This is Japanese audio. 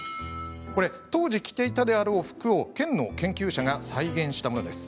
当時、着ていたであろう服を県の研究者が再現したものです。